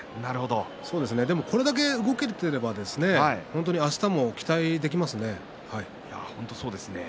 これだけ動けていればあしたも期待できますね。